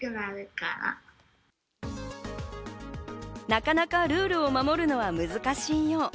なかなかルールを守るのは難しいよう。